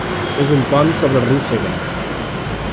És un pont sobre el riu Segre.